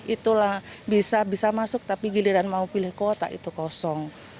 itulah bisa masuk tapi giliran mau pilih kota itu kosong